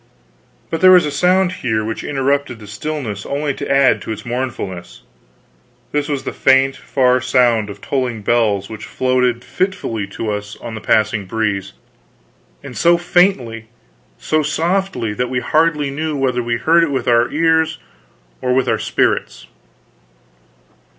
But there was a sound here which interrupted the stillness only to add to its mournfulness; this was the faint far sound of tolling bells which floated fitfully to us on the passing breeze, and so faintly, so softly, that we hardly knew whether we heard it with our ears or with our spirits.